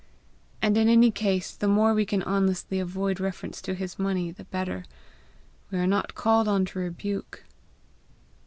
And in any case, the more we can honestly avoid reference to his money, the better. We are not called on to rebuke."